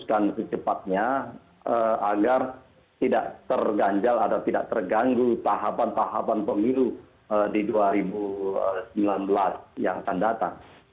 maka mereka akan diputuskan kecepatannya agar tidak terganggu tahapan tahapan pemilu di dua ribu sembilan belas yang akan datang